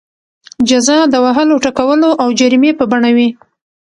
جزا د وهلو ټکولو او جریمې په بڼه وي.